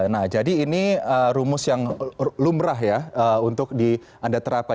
nah jadi ini rumus yang lumrah ya untuk anda terapkan